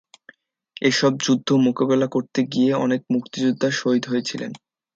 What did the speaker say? এসব যুদ্ধ মোকাবেলা করতে গিয়ে অনেক মুক্তিযোদ্ধা শহীদ হয়েছিলেন।